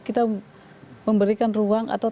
kita memberikan ruang atau